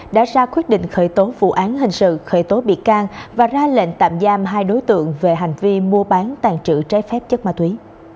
đã ra quyết định khởi tố vụ án hình sự khởi tố bị can và ra lệnh tạm giam hai đối tượng về hành vi mua bán tàn trữ trái phép chất ma túy